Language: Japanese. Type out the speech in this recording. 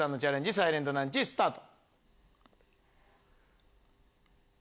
サイレントランチスタート。